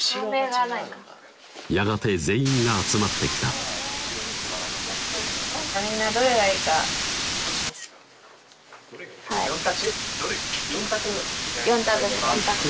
やがて全員が集まってきた４択！